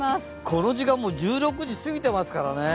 この時間、１６時過ぎてますからね